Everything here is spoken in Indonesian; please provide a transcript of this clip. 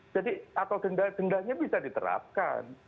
jadi atau denda dendanya bisa diterapkan